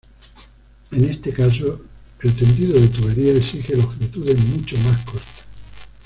En este caso, el tendido de tuberías exige longitudes mucho más cortas.